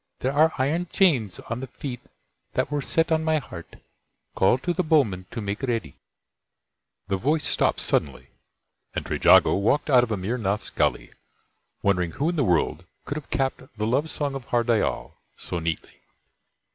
There are iron chains on the feet that were set on my heart. Call to the bowman to make ready The voice stopped suddenly, and Trejago walked out of Amir Nath's Gully, wondering who in the world could have capped "The Love Song of Har Dyal" so neatly.